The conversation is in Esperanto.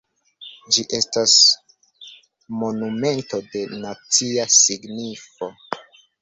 Ĝi estas monumento de nacia signifo.